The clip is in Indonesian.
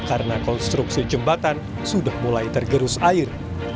karena konstruksi jembatan sudah mulai tergerus air